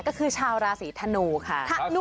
ก็คือชาวราศีธนูค่ะ